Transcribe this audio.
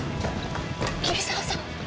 桐沢さん。